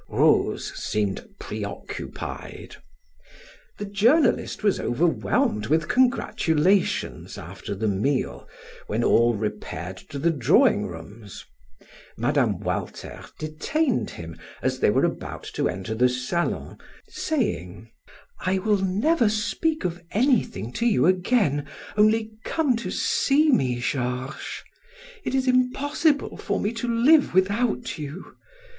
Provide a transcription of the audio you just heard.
Rose seemed preoccupied. The journalist was overwhelmed with congratulations, after the meal, when all repaired to the drawing rooms. Mme. Walter detained him as they were about to enter the salon, saying: "I will never speak of anything to you again, only come to see me, Georges. It is impossible for me to live without you.